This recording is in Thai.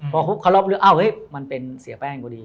พอเขารับเลยอ้าวเฮ้ยมันเป็นเสียแป้งก็ดี